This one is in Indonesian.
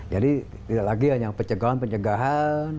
jadi tidak lagi hanya pencegahan pencegahan